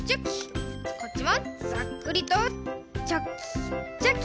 こっちもざっくりとチョキチョキ。